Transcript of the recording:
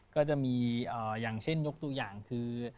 ก็จะมีอย่างเช่นยกตัวอย่างคือ